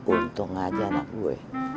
untung aja anak gue